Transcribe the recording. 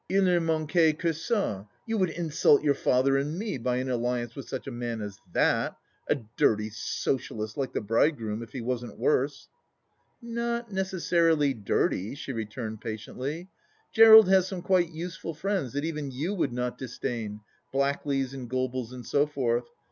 II ne manquait que (a ! You would insult your father and me by an alliance with such a man as that, a dirty socialist, like the bridegroom, if he wasn't worse." " Not necessarily dirty," she returned patiently. " (Jerald has some quite useful friends that even you would not disdain — Blackleys and Gobies and so forth.